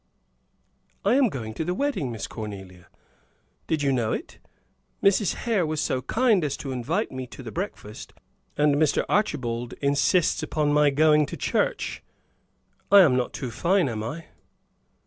"I am going to the wedding, Miss Cornelia. Did you know it? Mrs. Hare was so kind as to invite me to the breakfast, and Mr. Archibald insists upon my going to church. I am not too fine, am I?"